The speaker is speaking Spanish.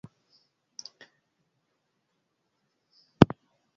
Juega de Defensa en Atletico nacional de la Categoría Primera A de Colombia.